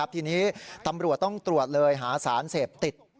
ทีนี้ตำรวจต้องตรวจเลยหาสารเสพติด